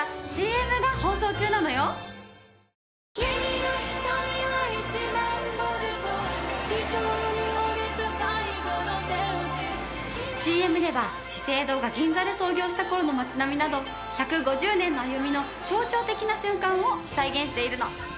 そしてＣＭでは資生堂が銀座で創業した頃の街並みなど１５０年の歩みの象徴的な瞬間を再現しているの。